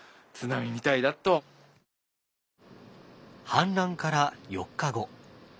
氾濫から４日後。